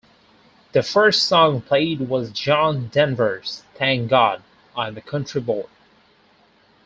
The first song played was John Denver's "Thank God I'm a Country Boy".